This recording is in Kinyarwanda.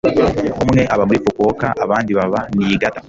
Umwe aba muri Fukuoka, abandi baba Niigata